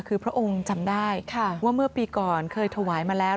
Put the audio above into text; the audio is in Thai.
คือพระองค์จำได้ว่าเมื่อปีก่อนเคยถวายมาแล้ว